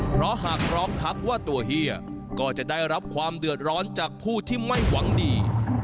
เพราะหากร้องทักว่าตัวเฮียก็จะได้รับความเดือดร้อนจากผู้ที่ไม่หวังดี